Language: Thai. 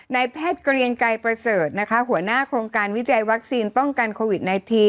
นายแพทย์เกรียงไกรประเสริฐนะคะหัวหน้าโครงการวิจัยวัคซีนป้องกันโควิด๑๙